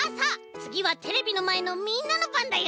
つぎはテレビのまえのみんなのばんだよ。